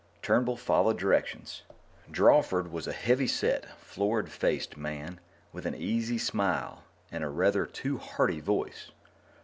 Turnbull followed directions. Drawford was a heavy set, florid faced man with an easy smile and a rather too hearty voice.